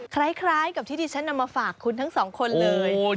คล้ายกับที่ดิฉันนำมาฝากคุณทั้งสองคนเลย